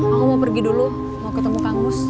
aku mau pergi dulu mau ketemu kang gus